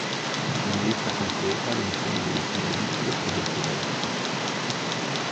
Una lista completa è disponibile sulla wiki del progetto WebKit.